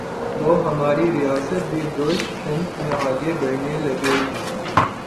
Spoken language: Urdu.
تو ہماری ریاست بھی درست سمت میں آگے بڑھنے لگے گی۔